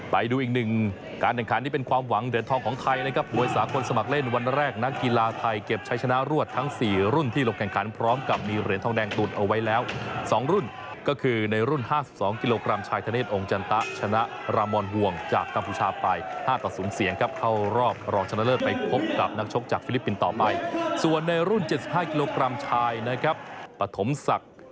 ไปดูอีกหนึ่งการแข่งขันที่เป็นความหวังเดือนทองของไทยนะครับมวยสาคนสมัครเล่นวันแรกนักกีฬาไทยเก็บใช้ชนะรวดทั้ง๔รุ่นที่ลงแข่งขันพร้อมกับมีเหรียญทองแดงตูนเอาไว้แล้ว๒รุ่นก็คือในรุ่น๕๒กิโลกรัมชายทะเนธองจันตะชนะรามอนฮวงจากกัมพูชาไป๕๐เสียงครับเข้ารอบรองชนะเลิศ